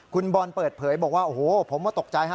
คุณบอลเปิดเผยบอกว่าโอ้โหผมก็ตกใจฮะ